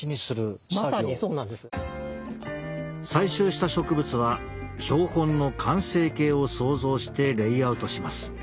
採集した植物は標本の完成形を想像してレイアウトします。